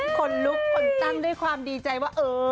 คนลุกคนตั้งด้วยความดีใจว่าเออ